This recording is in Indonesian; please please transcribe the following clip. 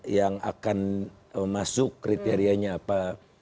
yang akan masuk kriterianya apa